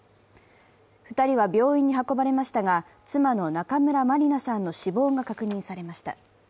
２人は病院に運ばれましたが妻の中村まりなさんの死亡が確認されました。